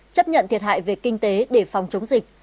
chấp nhận thiệt hại về kinh tế để phòng chống dịch